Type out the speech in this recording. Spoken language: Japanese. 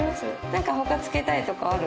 なんか他つけたいとかある？